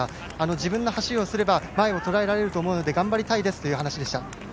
自分の走りをすれば前をとらえられると思うので頑張りたいですという話でした。